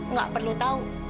nggak perlu tahu